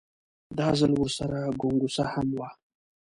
دا ځل ورسره ګونګسه هم وه.